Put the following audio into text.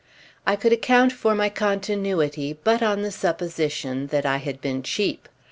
I could account for my continuity but on the supposition that I had been cheap.